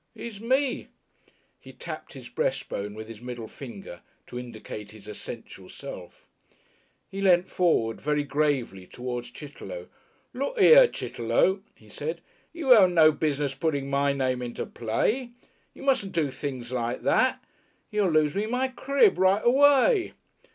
"He's me." He tapped his breastbone with his middle finger to indicate his essential self. He leant forward very gravely towards Chitterlow. "Look 'ere, Chit'low," he said, "you haven't no business putting my name into play. You mustn't do things like that. You'd lose me my crib, right away."